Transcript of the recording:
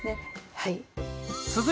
はい。